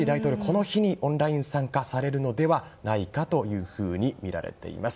この日にオンライン参加されるのではないかとみられています。